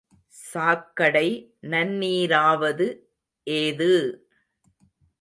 சாக்கடை நன்னீராவது ஏது!